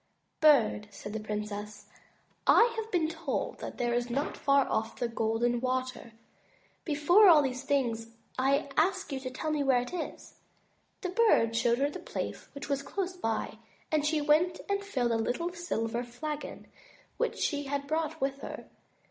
"Bird," said the princess, "I have been told that there is not far off, Golden Water. Before all things, I ask you to tell me where it is." The Bird showed her the place which was close by, and she went and filled a little silver flagon which she had brought with her.